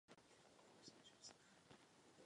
Výsledky jsou součtem skóre ze dvou zápasů.